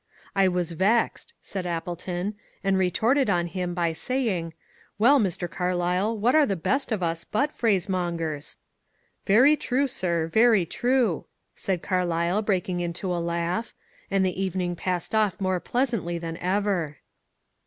^^ I was vexed," said Appleton, " and retorted on him by saying, * Well, Mr. Carlyle, what are the best of us but phrase mongers ?'^ Very true, sir — very true,' said Carlyle, breaking into a laugh. And the evening passed off more pleasantly than ever."